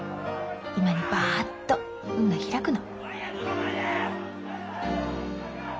今にバッと運が開くの。